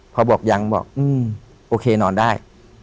พอบอกยังบอกโอเคนอนได้